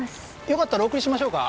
よかったらお送りしましょうか？